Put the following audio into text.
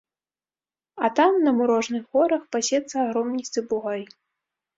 А там на мурожных горах пасецца агромністы бугай.